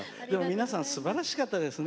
皆さん、すばらしかったですね。